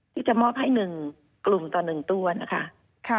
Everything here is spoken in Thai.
ที่จะมอบให้๑กลุ่มต่อ๑ตัวนะคะ